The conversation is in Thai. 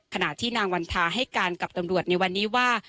ขณะที่นางวันทาให้การกับตำรวจในวันนี้ว่า